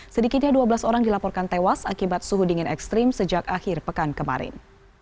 sedikitnya dua belas orang dilaporkan tewas akibat suhu dingin ekstrim sejak akhir pekan kemarin